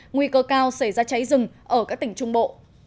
nguy cơ cao xảy ra cháy rừng ở các tỉnh trung bộ